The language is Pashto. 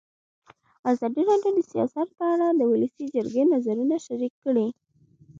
ازادي راډیو د سیاست په اړه د ولسي جرګې نظرونه شریک کړي.